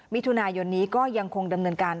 มิถุนายนนี้ก็ยังคงดำเนินการ